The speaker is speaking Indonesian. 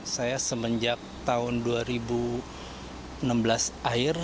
saya semenjak tahun dua ribu enam belas akhir